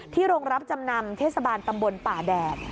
โรงรับจำนำเทศบาลตำบลป่าแดด